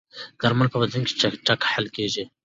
درمل په بدن کې چټک حل کېږي.